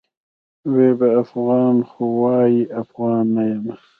وي به افغان؛ خو وايي افغان نه یمه